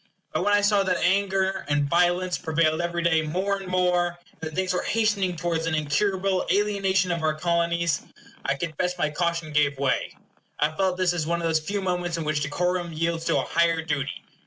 But when I saw that anger and violence prevailed every day more and more, and that things were hastening towards an incurable alienation of our Colonies, I confess my caution gave way. I felt this as one of those few moments in which decorum yields to a higher duty.